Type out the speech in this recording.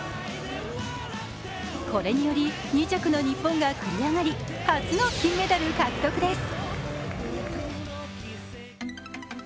これにより２着の日本が繰り上がり初の金メダル獲得です。